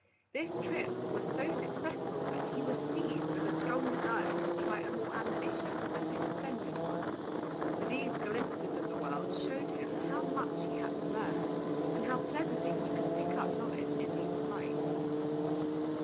This trip was so successful that he was seized with a strong desire to try a more ambitious and extended one; for these glimpses of the world showed him how much he had to learn, and how pleasantly he could pick up knowledge in these flights.